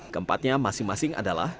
kempatnya masing masing adalah